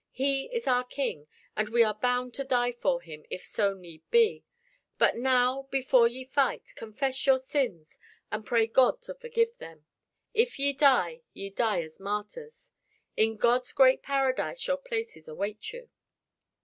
He is our King, and we are bound to die for him, if so need be. But now, before ye fight, confess your sins, and pray God to forgive them. If ye die, ye die as martyrs. In God's great paradise your places await you."